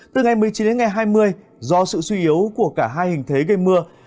từ ngày một mươi chín đến ngày hai mươi do sự suy yếu của cả hai hình thế gây mưa